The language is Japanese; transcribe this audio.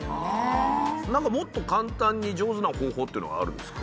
なんかもっと簡単に上手な方法っていうのはあるんですか？